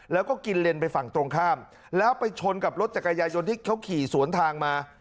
แล้วก็กินเลนไปฝั่งตรงข้ามแล้วไปชนกับรถจักรยายนที่เขาขี่สวนทางมา